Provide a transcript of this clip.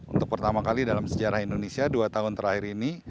untuk pertama kali dalam sejarah indonesia dua tahun terakhir ini